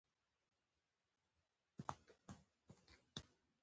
په افغانستان کې ډېر شمیر کلي شتون لري.